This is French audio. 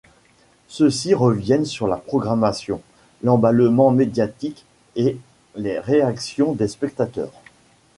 Ceux-ci reviennent sur la programmation, l'emballement médiatique et les réactions des spectateurs.